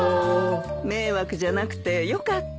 迷惑じゃなくてよかった。